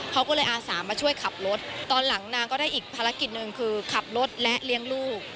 เขาก็เลยอาสามาช่วยขับรถตอนหลังนางก็ได้อีกภารกิจหนึ่งคือขับรถและเลี้ยงลูก